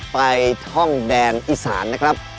ไปท่องแดนอีสานนะครับ